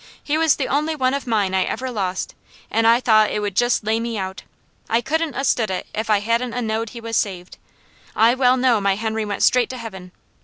"He was the only one of mine I ever lost, an' I thought it would jest lay me out. I couldn't 'a' stood it at all if I hadn't 'a' knowed he was saved. I well know my Henry went straight to Heaven.